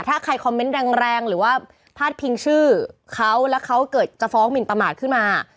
ถ้าใครคอมเมนต์แรงหรือว่าพาดพิงชื่อเขาแล้วเขาเกิดจะฟ้องหมินประมาทขึ้นมา